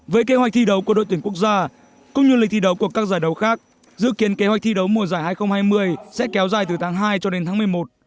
với kế hoạch thi đấu của đội tuyển quốc gia cũng như lịch thi đấu của các giải đấu khác dự kiến kế hoạch thi đấu mùa giải hai nghìn hai mươi sẽ kéo dài từ tháng hai cho đến tháng một mươi một